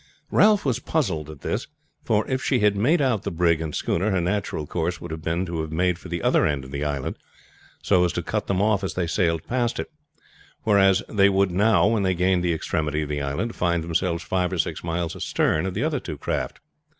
Ralph was puzzled at this; for if she had made out the brig and schooner, her natural course would have been to have made for the other end of the island, so as to cut them off as they sailed past it; whereas they would now, when they gained the extremity of the island, find themselves five or six miles astern of the other two craft.